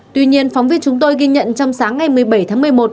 tuy nhiên phóng viên chúng tôi ghi nhận trong sáng ngày một mươi bảy tháng một mươi một